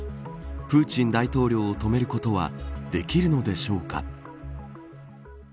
プーチン大統領を止めることはできるのでしょうか。